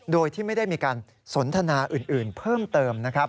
โดยที่ไม่ได้มีการสนทนาอื่นเพิ่มเติมนะครับ